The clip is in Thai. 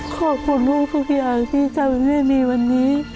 ขอบคุณลูกทุกอย่างที่ทำให้มีวันนี้